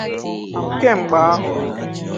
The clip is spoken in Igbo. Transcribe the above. Kemgbe ahụ